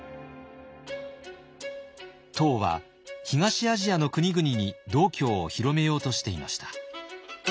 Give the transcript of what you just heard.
唐は東アジアの国々に道教を広めようとしていました。